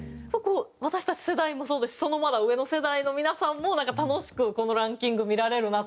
私たち世代もそうですしそのまだ上の世代の皆さんも楽しくこのランキング見られるなと思いました。